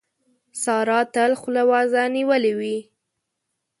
سارا تل خوله وازه نيولې وي.